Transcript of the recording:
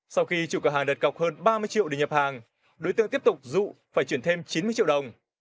sau khi chủ cửa hàng đặt cọc hơn ba mươi triệu để nhập hàng đối tượng tiếp tục dụ phải chuyển thêm chín mươi triệu đồng